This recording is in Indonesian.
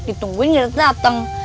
ditungguin gak dateng